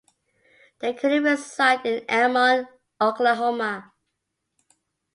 They currently reside in Edmond, Oklahoma.